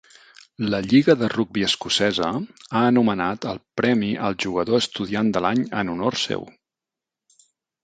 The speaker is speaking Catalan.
La lliga de rugbi escocesa ha anomenat el Premi al jugador estudiant de l'any en honor seu.